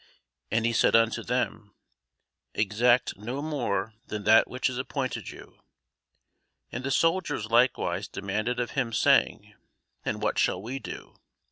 And he said unto them, Exact no more than that which is appointed you. And the soldiers likewise demanded of him, saying, And what shall we do?